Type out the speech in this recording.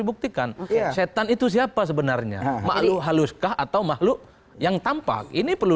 buktikan setan itu siapa sebenarnya makhluk haluskah atau makhluk yang tampak ini perlu